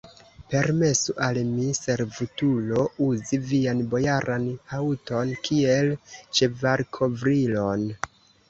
Permesu al mi, servutulo, uzi vian bojaran haŭton kiel ĉevalkovrilon!